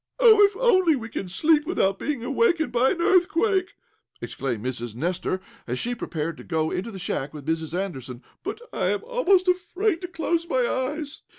"Oh, if only we can sleep without being awakened by an earthquake!" exclaimed Mrs. Nestor, as she prepared to go into the shack with Mrs. Anderson. "But I am almost afraid to close my eyes!"